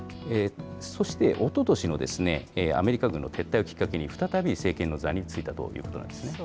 そしておととしのアメリカ軍の撤退をきっかけに、再び政権の座に就いたということなんですね。